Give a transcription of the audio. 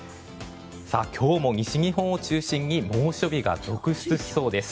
今日も西日本を中心に猛暑日が続出しそうです。